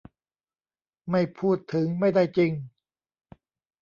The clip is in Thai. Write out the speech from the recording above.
ไม่พูดถึงไม่ได้จริง